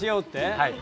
はい。